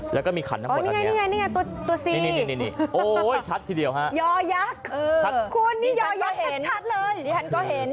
แล้วก็มีขันทั้งหมดอันเนี่ยโอ้ยชัดทีเดียวฮะยอยักษ์คุณนี่ยอยักษ์ชัดเลยนี่ท่านก็เห็น